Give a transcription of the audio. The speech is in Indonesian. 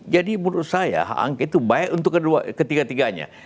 jadi menurut saya hak angket itu baik untuk ketiga tiganya